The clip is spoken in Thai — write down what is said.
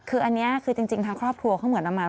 คืออันนี้คือจริงทางครอบครัวเขาเหมือนเอามา